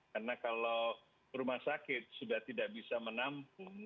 karena kalau rumah sakit sudah tidak bisa menampung